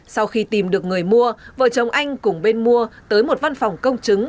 sau khi tìm được người mua vợ chồng anh cùng bên mua tới một văn phòng công chứng